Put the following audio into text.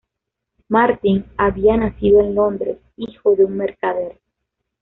Martyn había nacido en Londres, hijo de un mercader.